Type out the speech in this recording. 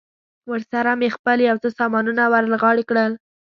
ورسره مې خپل یو څه سامانونه ور له غاړې کړل.